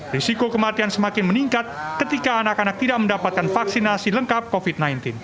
risiko kematian semakin meningkat ketika anak anak tidak mendapatkan vaksinasi lengkap covid sembilan belas